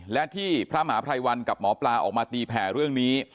และที่พระมหาภัยวันกับหมอปลาออกมาตีแผ่เรื่องนี้